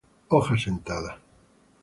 Hojas sentadas.